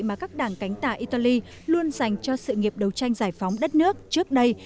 mà các đảng cánh tả italy luôn dành cho sự nghiệp đấu tranh giải phóng đất nước trước đây